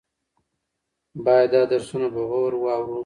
باید دا درسونه په غور واورو.